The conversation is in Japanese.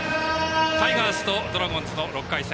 タイガースとドラゴンズの６回戦。